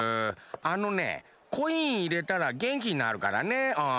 あのねコインいれたらげんきになるからねうん。